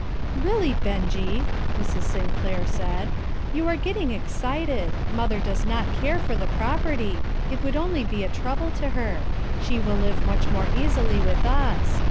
"Really, Benjie!" Mrs. Sinclair said, "you are getting excited. Mother does not care for the property; it would only be a trouble to her; she will live much more easily with us.